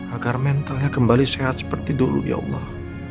agar mentalnya kembali sehat seperti dulu ya allah